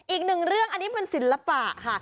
อีกหนึ่งเรื่องอันนี้เป็นศิลปะค่ะ